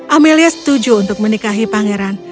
amelia setuju untuk menikahi pangeran